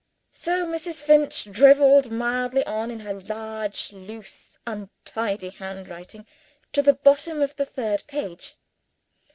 So Mrs. Finch driveled mildly on, in her large loose untidy handwriting, to the bottom of the third page.